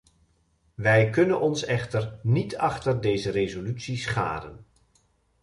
Wij kunnen ons echter niet achter deze resolutie scharen.